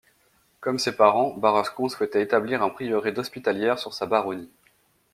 Comme ses parents, Barascon souhaitait établir un prieuré d'hospitalières sur sa baronnie.